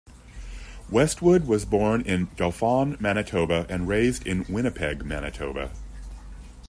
Westwood was born in Dauphin, Manitoba and raised in Winnipeg, Manitoba.